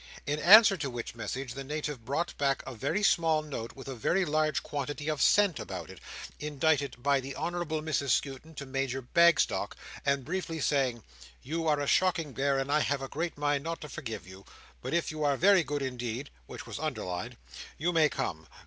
In answer to which message, the Native brought back a very small note with a very large quantity of scent about it, indited by the Honourable Mrs Skewton to Major Bagstock, and briefly saying, "You are a shocking bear and I have a great mind not to forgive you, but if you are very good indeed," which was underlined, "you may come.